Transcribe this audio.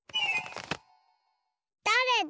だれだ？